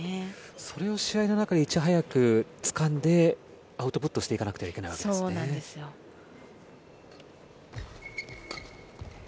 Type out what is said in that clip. それを試合の中でいち早くつかんでアウトプットしていかなければいけないということですね。